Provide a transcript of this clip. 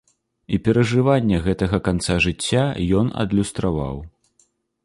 І перажыванне гэтага канца жыцця ён адлюстраваў.